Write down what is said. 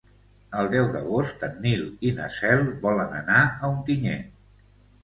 El deu d'agost en Nil i na Cel volen anar a Ontinyent.